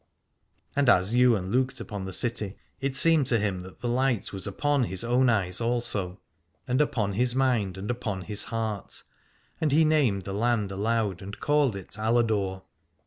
And as Ywain looked upon the city it seemed to him that the light was upon his 248 Alad ore own eyes also, and upon his mind and upon his heart, and he named the land aloud and called it Aladore.